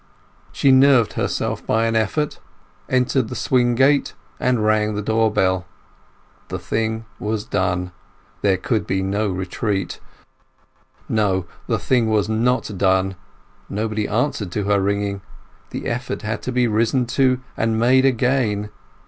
She nerved herself by an effort, entered the swing gate, and rang the door bell. The thing was done; there could be no retreat. No; the thing was not done. Nobody answered to her ringing. The effort had to be risen to and made again.